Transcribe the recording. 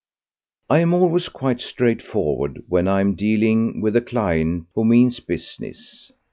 I am always quite straightforward when I am dealing with a client who means business.